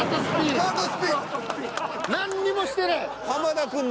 何にもしてない。